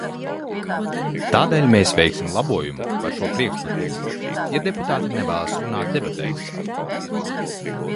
Tādēļ mēs veiksim balsojumu par šo priekšlikumu, ja deputāti nevēlas runāt debatēs.